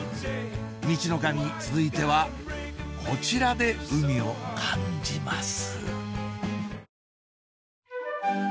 ミチノカミ続いてはこちらで海を感じます